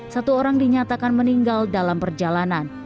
satu orang dinyatakan meninggal dalam perjalanan